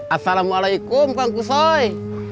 assalamualaikum kang kusoy